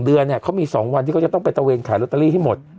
เดือนเนี่ยเขามี๒วันที่เขาจะต้องไปตะเวนขายลอตเตอรี่ให้หมด